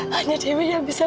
hanya dewi yang bisa